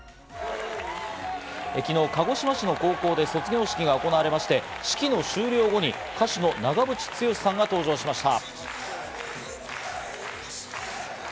昨日、鹿児島市の高校で卒業式が行われまして、式の終了後に歌手の長渕剛さんが登場しました。